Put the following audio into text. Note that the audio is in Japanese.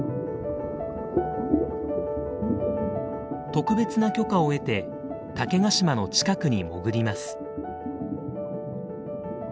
特別な許可を得て竹ヶ島の近くに潜ります。